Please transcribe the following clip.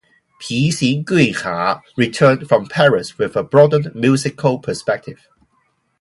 Pixinguinha returned from Paris with a broadened musical perspective.